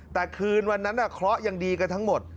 แต่คืนวันนั้นเคราะห์ยังดีกันทั้งหมด